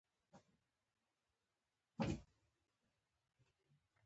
حاجي ظاهرجان پخپله هم نغدي مرستې کړي.